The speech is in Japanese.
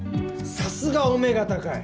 さすがお目が高い！